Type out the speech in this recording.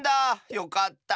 よかった。